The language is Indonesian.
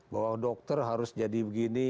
bahwa dokter harus jadi begini